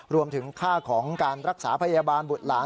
รวมถึงค่าของการรักษาพยาบาลบุตรหลาน